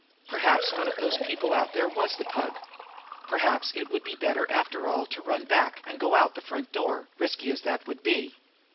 Perhaps one of those people out there was the Pug! Perhaps it would be better after all to run back and go out by the front door, risky as that would be.